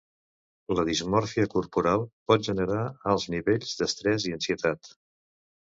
La dismòrfia corporal pot generar alts nivells d'estrès i ansietat.